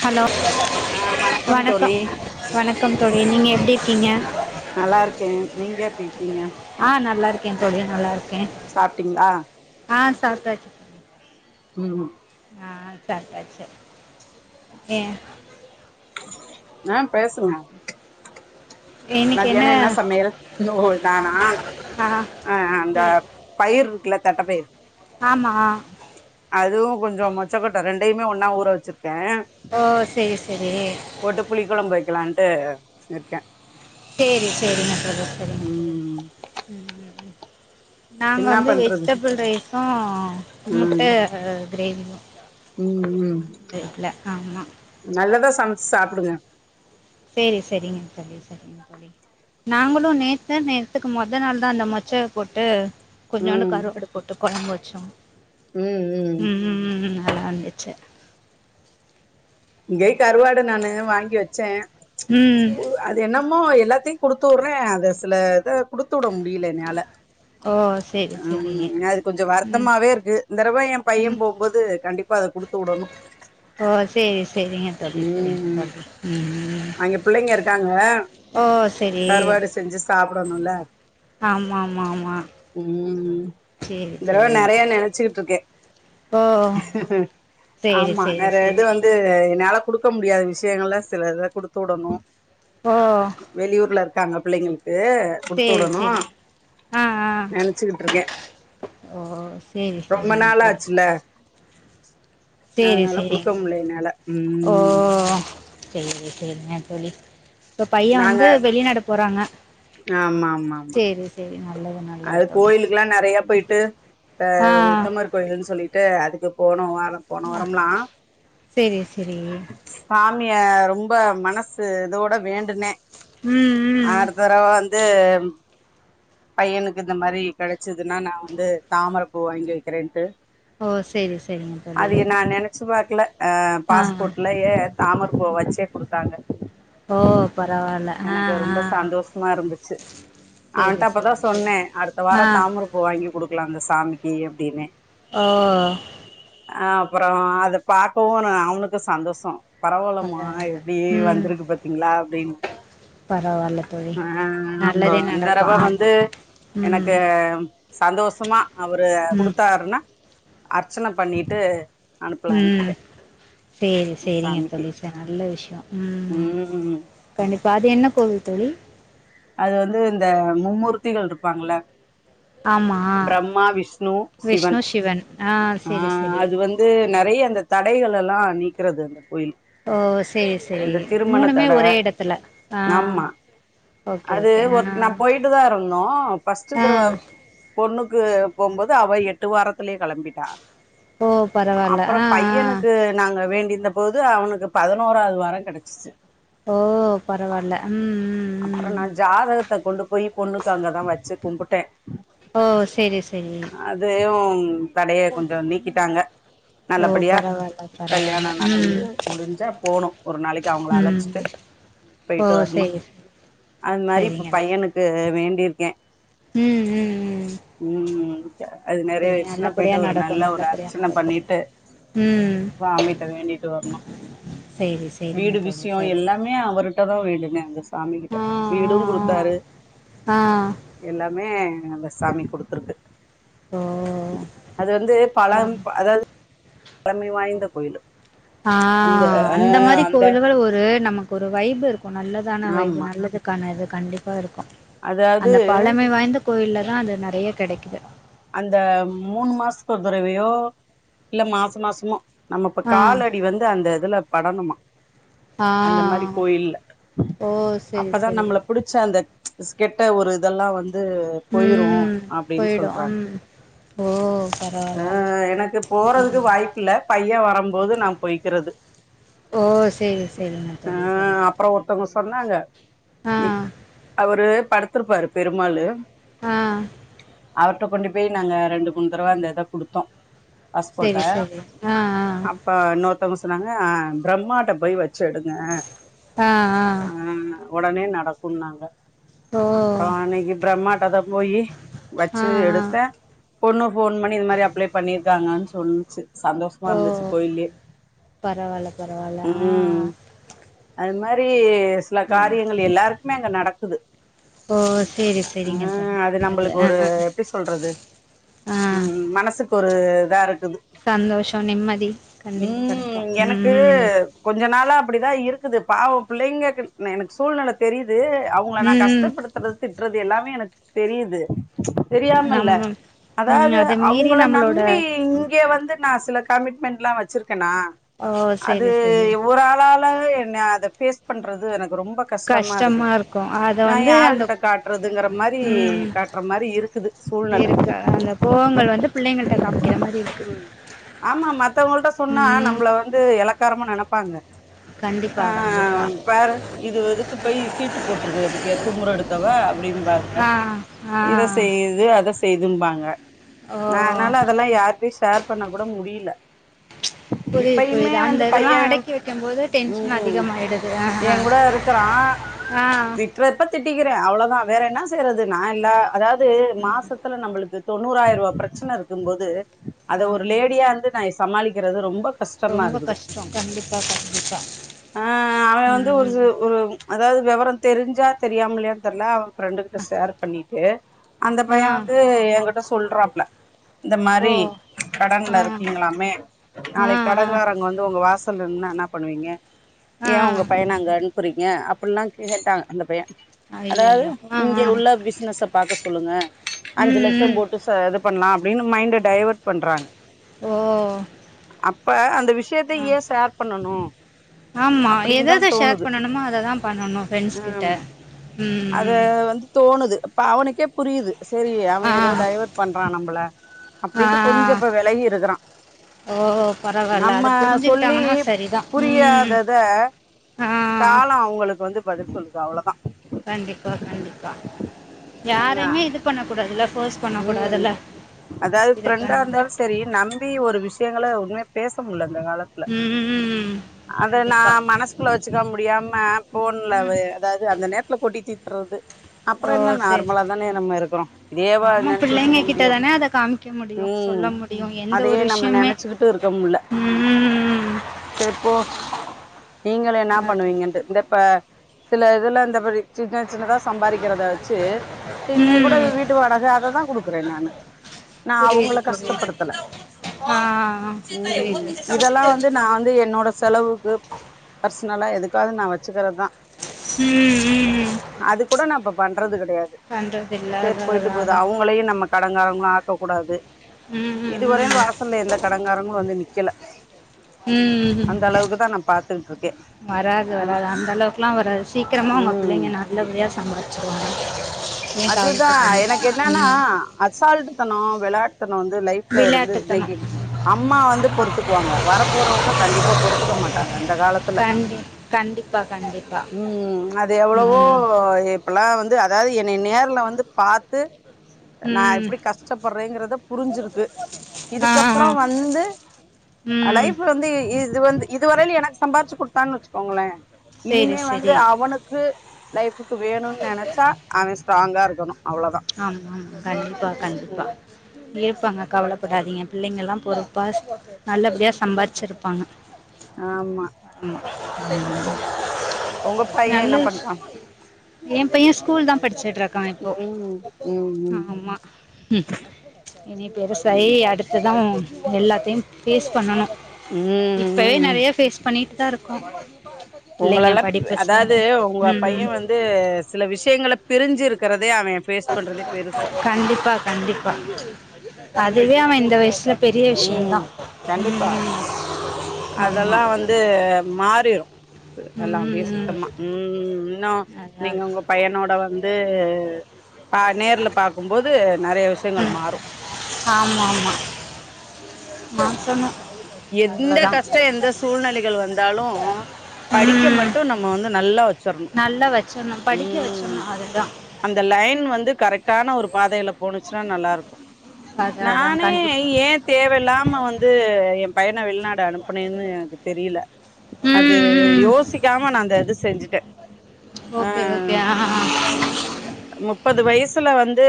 Hello ஆ தோழி வணக்கம் வணக்கம் தோழி நீங்க எப்படி இருக்கீங்க நல்லா இருக்கேன் நீங்க எப்படி இருக்கீங்க ஆ நல்லா இருக்கேன் தோழி நல்லா இருக்கேன் சாப்ட்டீங்களா ஆ சாப்ட்டாச்சு உம் உம் ஆ சாப்டாச்சி ஏன் ஆ பேசுங்க மதியானம் என்ன சமையல் நானா ஆ ஆ அந்த ஏ பயிர் இருக்குல்ல தட்ட பயிர் ஆமா அதுவும் கொஞ்சம் மொச்சக்கொட்ட ரெண்டையுமே ஒன்னா ஊற‌ வச்சிருக்க ஓ செரி செரி போட்டு புளி குழம்பு வைக்கலான்டு இருக்கேன் சேரி சேரிங்க தோழி சேரிங்க ம் நாங்க என்னா வந்து பண்றது வெஜிடபுள் ரைஸும் முட்டை கிரேவியும் உம் உம் நெட்ல ஆமா நல்லதா சமைச்சு சாப்டுங்க சேரி சரிங்க தோழி சரிங்க தோழி நாங்களும் நேத்தா நேத்துக்கு மொத நாள் தா அந்த மொச்சய போட்டு கொஞ்சோண்டு ம் கருவாடு போட்டு கொழம்பு வச்சோ ம் ம் ம் ம் நல்லா இருந்துச்சு இங்கயு கருவாடு நானு வாங்கி வச்சே ம் அது என்னமோ எல்லாத்தையு குடுத்து உடுற அது சில இத குடுத்து விட முடியல என்னால ஓ சேர் உம் அது கொஞ்சோ வருத்தமாவே இருக்கு இந்த தடவ என் பையன் ம் போம்போது கண்டிப்பா அத குடுத்து உடனும் ஓ சேரி செரிங்க தோழி செரிங்க ம் தோழி உம் அங்க பிள்ளைங்க இருக்காங்க ஓ செரி சாப்டணும்ல ஆமா ஆமா உம் உம் சேரி இந்த தடவ சேரிங்க நெறைய தோழி நெனச்சுட்டு இருக்க ஓ சேரி ஆமா சேரி நெறைய இது சேரி வந்து என்னால குடுக்க முடியாத விஷயங்கள்ல சில இத குடுத்து விடணு ஓ வெளியூர்ல இருக்காங்க பிள்ளைங்களுக்கு குடுத்து சேரி விடணு சேரி ஆ ஆ நெனச்சுகிட்டுருக்கே ஓ செரி செரிங்க நாள் தோழி ஆச்சுல சேரி அதனால சேரி குடுக்க முடில என்னால ஓ ம் செரிங்க செரிங்க தோழி இப்ப பையன் வந்து வெளிநாடு போறாங்க ஆமாமாமா சேர் சேர் நல்லது நல்லது அது தோழி கோயிலுக்கெல்லா நறைய போயிட்டு அ ஆ உத்தமர் கோயில்னு சொல்லிட்டு அதுக்கு போனோ போன ஆ வாரம்லா சேரி சேரி சாமிய ரொம்ப மனசு இதோட வேண்டுனே ம் ம் அடுத்தடவ வந்து பையனுக்கு இந்த மாரி கெடச்சிதுன்னா நா வந்து தாமர பூ வாங்கி வக்கறன்ட்டு ஓ சேரி சேரிங்க தோழி அது நா நெனச்சு பாக்கல அ ஆ பாஸ்போட்லயே தாமர பூ வச்சே குடுத்தாங்க ஓ பரவால்ல ஆ எனக்கு ஆ ரொம்ப சந்தோஷமா இருந்துச்சு அவன்ட சேரி அப்பதா சேரி சேரி சொன்னே அடுத்த ஆ வாரம் தாமர பூ வாங்கி குடுக்கலா அந்த சாமிக்கு அப்டின்னே ஓ அ அப்றோ அத பாக்கவு அவனுக்கு சந்தோசோ பரவாயில்லமா பரவால்ல எப்டி ம் வந்திருக்கு பாத்தீங்களா அப்டின்னு பரவால்ல தோழி அ அப்றோ நல்லதே நடக்கு இந்தடவ ஆமா வந்து ம் எனக்கு சந்தோசமா அவரு ம் குடுத்தாருன்னா அர்ச்சன பண்ணிட்டு அனுப்பலான்ருக்க ம் சேரி சேரிங்க தோழி சா நல்ல விஷயோ ம் கண்டிப்பா அது என்ன கோவில் தோழி அது வந்து இந்த மும்மூர்த்திகள் இருப்பாங்கல ஆமா பிரம்மா விஷ்ணு விஷ்ணு சிவன் சிவன் ஆ ஆ செரி செரி அது வந்து நறைய அந்த தடைகளல்லா நீக்குறது அந்த கோயில் ஓ செரி செரி இந்த திருமண மூணுமே தட ஒரே இடத்துல அ ஆமா அது ஒ நா போயிட்டு தா இருந்தோ ஃபஸ்ட்டு ஆ திரவ பொண்ணுக்கு போம்போது அவ எட்டு வாரத்துலயே கெளம்பிட்டா ஓ பரவால்ல அப்றோ ஆ ஆ பையனுக்கு நாங்க வேண்டிந்த ப்போது அவனுக்கு பதினோராவது வாரம் கெடச்சிச்சு ஓ பரவால்ல ம் ம் அப்றோ ம் நா ஜாதகத்த கொண்டு போய் பொண்ணுக்கு அங்கதா வச்சு கும்புட்ட ஓ செரி செரி அதயும் தடய கொஞ்ச நீக்கிட்டாங்க ஓ நல்லபடியா பரவால்ல பரவால்ல கல்யாணம் ம் நடந்து முடிஞ்சா போனும் ஒரு நாளைக்கு அவங்கள ம் அழைச்சிட்டு ஓ போயிட்டு வரணும் சரி சரி அது மாரி இப்ப பையனுக்கு வேண்டிருக்கேன் ம் ம் ம் ம் அது செரி நறவேருச்சனா போயிட்டு நல்லபடியா ஒரு நடக்கு நல்ல ஒரு நல்லபடியா அர்ச்சன நடக்கு பண்ணிட்டு ம் ஸ்வாமிட்ட வேண்டிட்டு வரணும் சேரி சேரிங்க தோழி யு சரிங்க எல்லாமே அவுருட்ட தா வேண்டுன அந்த சாமி கிட்ட ஆ வீடு குடுத்தாரு ஆ ஆ ஆ. எல்லாமே அந்த ச சாமி குடுத்துருக்கு ஓ அது வந்து பழம் அதாவது பழமை வாய்ந்த கோயிலு ஆ அந்த ஆ அந்த மாரி கோவில்கள் ஒரு நமக்கு ஒரு வைபு இருக்கு நல்லதான வைபு ஆமா நல்லது கான இது கண்டிப்பா இருக்கு அதாவது அந்த பழமை வாய்ந்த கோயில்ல தா அது நறைய கிடைக்குது அந்த மூணு மாசதுக்கு ஒரு தடவையோ இல்ல மாச மாசமோ நம்ம இப்ப ஆ காலடி வந்து அந்த இதுல படணுமா ஆ அந்த மாரி கோயில்ல ஓ செரி அப்பதா செரி நம்மள புடிச் ச அந்த கெட்ட ஒரு இதெல்லா வந்து போயிரு ம் அப்டின்னு போயிடு சொல்றாங்க ம் ஓ பர ஆ எனக்கு போறதுக்கு வாய்ப்பு இல்ல பைய வரும்போது நா போய்க்கிறது ஓ சேரி சேரிங்க தோழி சரிங்க தோழி அவுங்க நல்ல சொன்னாங்க விஷயோ ஆ நீ அவரு படுத்திருப்பாரு பெருமாளு ஆ ட்ட கொண்டு போய் நாங்க ரெண்டு மூணு தடவ அந்த இத கொடுத்தோ பாஸ்போர்ட்ட சரி சரி ஆ ப்ப இன்னொருத்தவுங்க சொன்னாங்க அ பிரம்மாட்ட போய் வச்சு எடுங்க ஆ ஆ ம் ஒடனே நடக்குனாங்க ஓ அப்றோ அன்னைக்கு பிரம்மாட் டதா போயி ஆ வச்சு ட்டு ஆ எடுத்த பொண்ணு ஃபோன் பண்ணி இது மாரி அப்ளை பண்ணிருக்காங்கனு சொன்னுச்சு சந்தோஷமா இருந்துச்சு கோயில்லே பரவாயில்ல பரவாயில் ம் அது மாரி சரி சில ஆ காரியங்கள் எல்லாரு குமே அங்க நடக்குது ஓ சரி ஆ சரிங்க தோழி அது நல்லது நம்பளுக்கு ஆ ஒரு ஆ எப்டி சொல்றது ஆ ம் மனசுக்கு ஒரு இதா இருக் குது சந்தோஷோ நிம்மதி கண்டிப்பா கெடைக்கு ம் எனக்கு ம் ம் கொஞ்ச நாளா அப்டிதா இருக்குது பாவோ பிள்ளைங்ககு ந எனக்கு சூழ்நில தெரியுது உங்கள நா ம் கஷ்டப்படுத்துறது திட்டுறது எல்லாமே எனக்கு தெரியுது தெரியாம இல்ல நம்ம ம் அதாவது அத மீறி அவுங்கள நம்மளோட நம்பி இங்க வந்து நா சில கமிட்மெண்ட்லா வச்சிருக்கனா ஓ அது சரி சரி ஒரு ஆளால் ஃபுல்லாவே என்ன அத ஃபேஸ் பண்றது எனக்கு ரொம்ப கஷ்டமா கஷ்டமாருக்குது இருக்கு அத நா வந்து அந்த யாருகிட்ட காட்டுறதுங்கற மாரி ம் காட்டுற மாரி இருக் இருக்கு அந்த கோவங்கள் வந்து பிள்ளைங்கள்ட்ட காமிக்கிற மாரி இருக்கு ம் ஆமா மத்தவுங்கள்ட்ட சொன்னா ம் நம்மள வந்து எளக்காரமா நெனப்பாங்க கண்டிப்பா ஆ கண்டிப்பா பேர இது இதுக்கு போய் சீட்டு போட்டிருக்காரு பாத்தியா தும்முர எடுத்தவ அப்டின்னுபாங் க ஆ ஆ இத செய்து அத செய்தும்பாங்க ஓ நா அதனால அதெல்லா யார்டையு ஷேர் பண்ண கூட முடியில புரியுது புரியுது அந்த இதெல்லா அடக்கி வைக்கும் போது டென்ஷன் உம் அதிகமாயிடுது அ அ ஆ றப்ப திட்டிக்கிற அவ்ளோதா வேற என்ன செய்யறது நா இல்ல அதாவது மாசத்துல நம்மளுக்கு தொண்ணூறாயிர ரூவா பிரச்சன இருக்கும் போது அத ஒரு ஆமா ஆமா லேடியா இருந்து நா சமாளிக்கிறது ரொம்ப கஷ்டமா ரொம்ப இருக்குது கஷ்டோ கண்டிப்பா கண்டிப்பா ஆ அவன் வந்து ம் ஒரு ம் சில ஒரு அதாவது விவர தெரிஞ்சா தெரியாமலையான்னு தெரில அவ ஃப்ரெண்டு கிட்ட ஆ ஷேர் பண்ணிட்டு அந்த ஆ, பைய வந்து ஏ கிட்ட சொல்றாப்ல இந்த ஓ மாரி கடன்ல ஆ இருக்கீங்களாமே ஆ நாளிக்கி ஆ கடங்காரங்க வந்து உங்க வாசல்ல நின்னா என்ன பண்ணுவீங்க ஆ ஏ உங்க பைய அங்க அனுப்புறீங்க அப்டின்ல்லா கேட்டா அந்த பைய அதாவது ஐயையோ ஆ ஆ இங்க உள்ள பிசினஸ்ச பாக்க சொல்லுங்க அஞ்சு ம் லட்ச ம் போட் ட்டு இது பண்ணலா அப்டின்னு மைண்ட டைவேர்ட் பண்றாங்க ஓ அப்ப அந்த விஷயத்த ஆ ஏ ஷேர் பண்ணணு அப்டின்னு தா தோணுது அத தா பண்ணணு ஃப்ரெண்ட்ஸ் கிட்ட ம் ம் அது ம் வந்து தோணுது அப்ப அவனுக்கே புரியுது செரி அவ ஆ ஏதோ டைவேர்ட் பண்றா நம்மள அப்டின்ட்டு ஆ கொஞ்சோ இப்ப வெலகி இருக்கிறா ஓ பரவால்ல நம்ம அத சொல்லி புரிஞ்சுக்கிட்டாங்கன்னா சரிதான் ம் புரியாதத ஆ கால அவங்களுக்கு வந்து பதில் சொல்லுப்பா அவ்ளோதா கண்டிப்பா கண்டிப்பா என்ன யாரையுமே இது பண்ண கூடாதுல ஃபோர்ஸ் பண்ண உம் கூடாதுல்ல இத பண் செரி நம்பி ஒரு விஷயங்கள ஒண்னுமே பேச முடில இந்த காலத்துல பண்ணு ம் ம் ம் அத நா கண்டிப்பா மனசுக்குள்ள வெச்சுக்க முடியாம ஃபோன்ல ம் வே அதாவது அந்த நேரத்துல கொட்டி தித்தறது ஓ அப்றோ என்ன சரி நார்மலா தானே நம்ம இருக்கிறோ இதேவா ஆமா நெனச்சுகிட்டு பிள்ளைங்க இருக்க கிட்ட முடியு தானே அத காமிக்க முடியும் சொல்ல ம் முடியும் எந்த அதையே ஒரு நம்ம விஷயமே நெனைச்சுக்கிட்டு இருக்க முட்ல ம் செரி போ நீங்களு என்னா அது. பண்ணுவீங்கன்ட்டு இந்த இப்ப சில இதுல இந்த பிரி சின்ன சின்னதா சம்பாதிக்கிறத வெச்சு இன்னிக்கி கூட ம் வீட்டு வாடக அததா குடுக்குறே நானு நா அவங்கள புரியுது புரியுது கஷ்டப்படுத்தல ஆ ம் புரியுது இதெல்லா வந்து நான் வந்து என்னோட செலவுக்கு பர்சனலா எதுக்காவது நா வெச்சுக்கிறதுதா ம் ம் அது கூட நா இப்ப பண்றது கெடையாது பண்றது இல்ல சேர் அதா போயிட்டு அதா போது அதா அவங் அவங்களையு நம்ம கடங்காரங்களா ஆக்கக்கூடாது ம் ம் இதுவரையிலு ம் வாசல்ல எந்த கடங்காரங்களு வந்து நிக்கல ம் ம் அந்த அளவுக்கு தா நா பாத்துக்கிட்டு இருக்கே வராது வராது அந்த அளவுக்குல்லா வராது சீக்கிரமா உங்க ம் புள்ளிங்க நா நல்ல படியா சம்பாதிச்சுருவாங்க அதுதா எனக்கு என்னன்னா அசால்ட்டு தனோ வெளாட்டுத்தனோ வந்து லைஃப் ல்ல இருந்து விளையாட்டுத்தனோ இன்னிக்கி அம்மா வந்து பொறுத்துக்குவாங்க வர போறவங்க கண்டிப்பா பொருத்துக்க மாட்டாங்க அந்த காலத்துல கண்டு கண்டிப்பா கண்டிப்பா கண்டிப்பா ம் அது எவ்ளவோ அப்பெல்லா வந்து அதாவது என்னை நேர்ல வந்து பாத்து நா ம் எப்டி கஷ்டப்பட்றேங்குறத புரிஞ்சிருக்கு ஆ இதுக்கப்றோ ஆ வந்து ம் லைஃப் வந்து இது வந்து இது வரையில எனக்கு சம்பாதிச்சு குடுத்தான்னு வெச்சுக்கோங்களே சேரி இனிமே வந்து சேரி அவனுக்கு லைஃபுக்கு வேணுன்னு நெனைச்சா அவ ஸ்ட்ராங்கா இருக்கணு அவ்ளோதா ஆமா ஆமா கண்டிப்பா கண்டிப்பா இருப்பாங்க கவலப்படாதீங்க பிள்ளிங்கெல்லா பொறுப்பா நல்ல படியா சம்பாரிச்சிருப்பாங்க ஆமா ம் உங்க பைய நல்ல என்ன விஷயோ பண்றா என் பைய ஸ்கூல் தா படிச்சுட்டு இருக் ம் ம் ம் ஆமா ம் இனி பெருசாயி அடுத்ததா எல்லாத்தையு ஃபேஸ் பண்ணனு ம் இப்பவே ம் நறைய ஃபேஸ் பண்ணிட்டு தா இருக்கோ உங்களெல்லா அதாவது உங்க பைய ம் வந் து சில விஷயங்களை பிரிஞ்சு இருக்கிறதே அவே கண்டிப்பா கண்டிப்பா அதுவே அவன் இந்த வயசுல பெரிய ம் விஷயந்தான் கண்டிப்பா ம் அதெல்லா ஆமாம் வந்து மாறிரு எல்லா அப்படியே ம் சுத்தமா ம் இன்னு அதான் நீங்க உங்க பையனோட வந்து பா நேர்ல பாக்கும்போது நிறைய விஷயங்கள் மாறு ஆமா ஆமா ஆ சொல்மா எந்த கஷ்ட எந்த சூழ்நிலைகள் வந்தாலு படிக்க ம் மட்டு நம்ம வந்து நல்லா வச்சிரணு நல்லா வச்சுர்ணு படிக்க வச்சணு ம் அதுதா அந்த லைன் வந்து கரெக்டான ஒரு பாதையில போணுச்சுன்னா நல்லா இருக்கு அதான் அதான் நானே கண்டிப்பாக ஏ தேவை இல்லாம வந்து என் பையன வெளிநாட் கு அனுப்பனேன்னு எனக்கு தெரியல அது ம் ம் யோசிக்காம நா அந்த இது செஞ்சுட்டே ஓகே ஓகே ஆ முப்பது வயசுல வந்து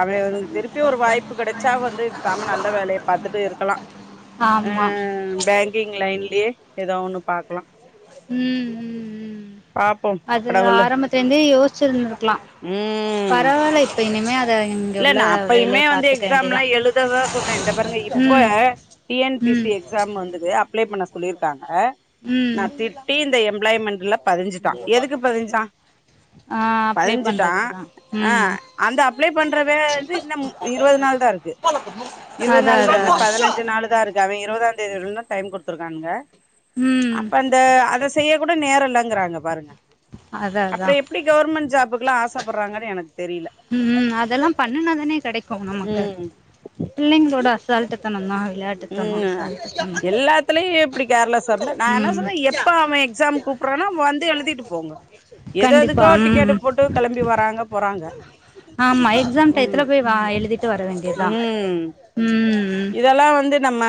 அவன் வந்து திருப்பி ஒரு வாய்ப்பு கிடைச்சா வந்து பேசாம நல்ல வேலையை பாத்துட்டு இருக்கலா அ ஆமாம் பேங்கிங் லைன்லயே எதோ ஒண்ணு பாக்கலா ம் ம் ம் பாப்போம் அது கடவுளு ஆரம்பத்துல இருந்தே யோசிச்சுருந்திருக்கலா ம் ம் இங்க இல்ல உள்ள நான் வேலைய அப்பயுமே வந்து பாத்துக்க வேண்டியதா எக்ஸாம்லா எழுததா சொன்னே இந்த பாருங்க இப் இப்ப ம் ம் டிஎன்பிசி எக்ஸாம் வந்தது அப்ளை பண்ண சொல்லிருக்காங்க ம் நான் திட்டி இந்த எம்ப்ளாய்மெண்ட்ல பதிஞ்சுட்டான் எதுக்கு பதிஞ்சான் ஆ அப்ளை பதிஞ்சுட்டான் பண்றதுக்குதா ஆ ம் அந்த அப்ளை பண்ற வேலை வந்து இன்னு இருவது நாள் தா இருக்கு இருவது அதா நாள் இல்ல அதா இன்னு அதா பதினஞ்சு நாள் தா இருக்கு அவிங்க இருவதாந் தேதி வரயிலுந்தா டைம் குடுத்தருக்கானங்க ம் அப்ப அந்த அதை செய்ய கூட நேரலங்கிறாங்க பாருங்க அதா அப்பற அதா எப்டி கவர்மெண்ட் ஜாப்க்குல்லா ஆசைப்படுறாங்கனு எனக்கு தெரில ம் அதெல்லா பண்ணுனாதானே கிடைக்கும் நமக்கு ம் பிள்ளைங்களோட அசால்ட்டுதன தா விளையாட் ம் எல்லாத்துலயும் இப்படி கேர்ளஸ் இருந்தா நான் என்ன ம் சொல்றே எப்ப அவன் எக்ஸாம் கூப் புறானா வந்து எழுதிட்டு போங்க எது கண்டிப்பா எதுக்கோ ம் டிக்கெட் போட்டு கிளம்பி வராங்க போறாங்க ஆமா எக்ஸாம் ம் டயத்துல போய் வ எழுதிட்டு வர வேண்டியதா ம் ம் இதெல்லா வந்து நம்ம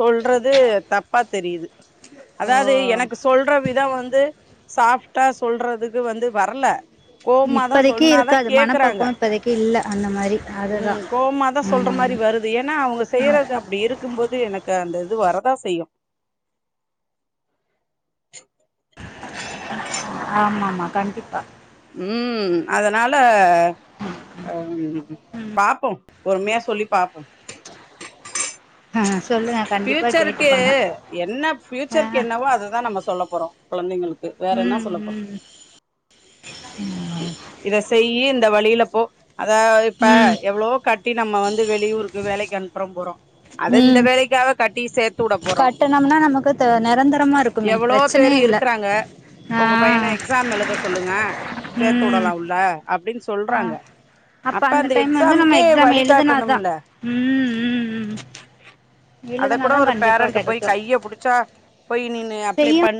சொல்றது தப்பா தெரியுது ஓ அதாவது எனக்கு சொல் ல்ற விதம் வந்து சாப்ட்டா சொல்றதுக்கு வந்து வரல கோவமாதா இப்போதைக்கு சொன்னாதா இருக்காது கேக்குறாங்க மனப்பக்குவம் இப்போதைக்கு இல்லை அந்த மாரி அதுதா கோபமா தா ம் சொல்ற மாரி வருது ஏன்னா அவுங்க செய்யறது அப்டி இருக்கும்போது எனக்கு அந்த இது வரதா செய்யு ஆமா ஆமா கண்டிப்பா ம் அதனால அம் பாப்போ பொறுமையா சொல்லி பாப்போ ஹ சொல்லுவ ஃபியூச்சருக்கு என்ன ஃபியூச்சருக்கு ஆ என்னவோ அததா நம்ம சொல்ல போறோ கொழந்தைங்களுக்கு வேற என்ன ம் சொல்ல போறோ ம் இத செய்யி இந்த வழில போ அதா இப்ப ம் எவ்ளவோ கட்டி நம்ம வந்து வெளியூருக்கு வேலைக்கு அனுப்புறோ போறோ அத இந்த ம் வேலைக் காக கட்டி சேத்துட போறோ கட்டணம்னா நமக்கு த நிரந்தரமா இருக்குமே எவளோ பேரு பிரச்சனையே இல்ல இருக்குறாங்க ஆ உங்க பையன எக்ஸாம் எழுத சொல்லுங்க ம் சேத்துடலா உள்ள அப்டின் ஆ சொல்றாங்க அப்ப அந்த டைம் வந்து நம்ம எக்ஸாம் எழுதுனா தா ம் ம் ம் அத கூட எழுதுனாதா ஒரு கண்டிப்பா பேரண்ட்டு போய் கெடைக்கு கைய புடிச்சா போய் நீனு அப்லே செய்யும் பண்